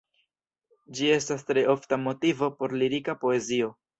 Ĝi estas tre ofta motivo por lirika poezio.